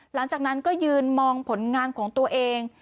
หลังจากนั้นก็ยืนมองผลงานของตัวเอง